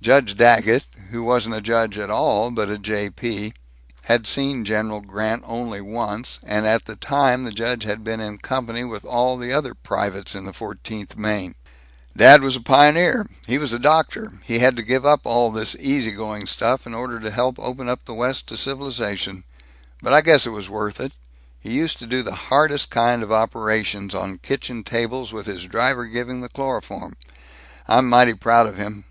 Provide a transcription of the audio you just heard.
Judge Daggett, who wasn't a judge at all, but a J. P., had seen General Grant only once, and at the time the judge had been in company with all the other privates in the Fourteenth Maine. "Dad was a pioneer. He was a doctor. He had to give up all this easy going stuff in order to help open up the West to civilization, but I guess it was worth it. He used to do the hardest kind of operations, on kitchen tables, with his driver giving the chloroform. I'm mighty proud of him.